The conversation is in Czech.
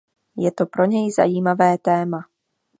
Je to pro něj zajímavé téma.